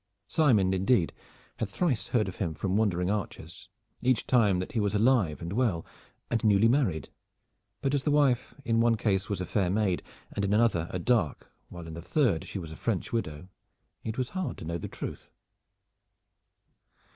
Simon, indeed, had thrice heard of him from wandering archers, each time that he was alive and well and newly married, but as the wife in one case was a fair maid, and in another a dark, while in the third she was a French widow, it was hard to know the truth.